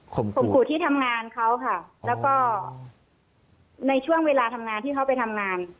ข่มขู่ที่ทำงานเขาค่ะแล้วก็ในช่วงเวลาทำงานที่เขาไปทำงาน